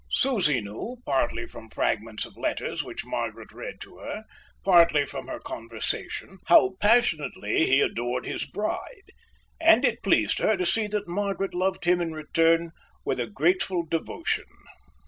Susie knew, partly from fragments of letters which Margaret read to her, partly from her conversation, how passionately he adored his bride; and it pleased her to see that Margaret loved him in return with a grateful devotion.